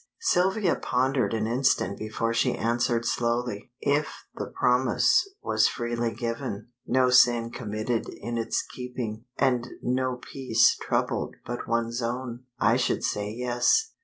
Sylvia pondered an instant before she answered slowly "If the promise was freely given, no sin committed in its keeping, and no peace troubled but one's own, I should say yes."